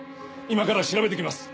今から調べて来ます。